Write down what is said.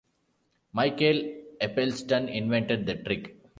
Michael Eppelstun invented the trick.